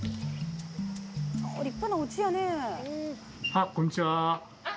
あっこんにちは。